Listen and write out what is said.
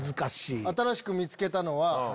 新しく見つけたのは。